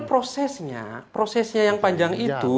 prosesnya prosesnya yang panjang itu